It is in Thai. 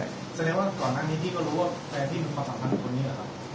แปลกที่พี่สัมภัณฑ์คนนี้หรือยัง